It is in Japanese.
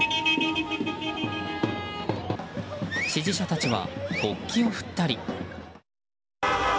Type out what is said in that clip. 支持者たちは国旗を振ったり。